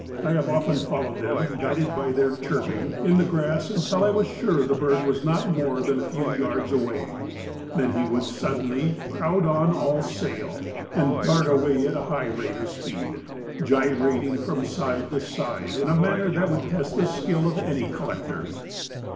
I have often followed them, guided by their chirping, in the grass until I was sure the bird was not more than a few yards away; then he would suddenly 'crowd on all sail' and dart away at a high rate of speed, gyrating from side to side in a manner that would test the skill of any collector."